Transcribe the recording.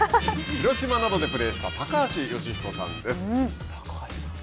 広島などでプレーした高橋慶彦さんです。